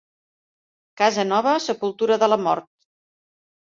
Casa nova, sepultura de la mort.